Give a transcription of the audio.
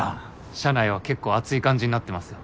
社内は結構熱い感じになってますよ。